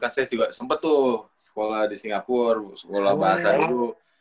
kan saya juga sempat tuh sekolah di singapura sekolah bahasa dulu